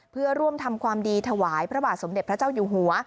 เพื่อร่วมทำความดีถวายพระบาทสมเด็จพระเจ้าอยู่หัว